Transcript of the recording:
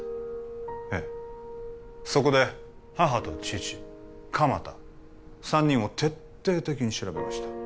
ええそこで母と父鎌田３人を徹底的に調べました